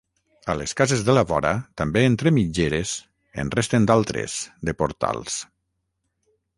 A les cases de la vora, també entre mitgeres, en resten d'altres, de portals.